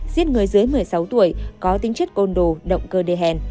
giết người dưới một mươi sáu tuổi có tính chất côn đồ động cơ đê hèn